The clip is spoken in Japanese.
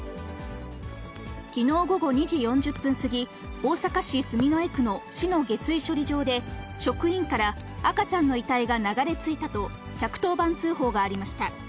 きのう午後２時４０分過ぎ、大阪市住之江区の市の下水処理場で、職員から赤ちゃんの遺体が流れ着いたと、１１０番通報がありました。